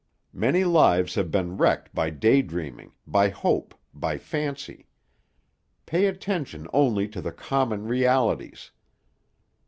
Many lives have been wrecked by day dreaming, by hope, by fancy. Pay attention only to the common realities.